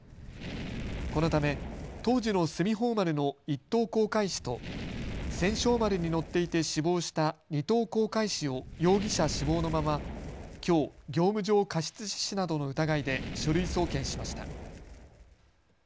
このため、当時のすみほう丸の１等航海士と千勝丸に乗っていて死亡した２等航海士を容疑者死亡のままきょう業務上過失致死などの疑いで書類送検しました。